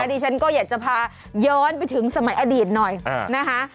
ดิฉันก็อยากจะพาย้อนไปถึงสมัยอดีตหน่อยนะคะ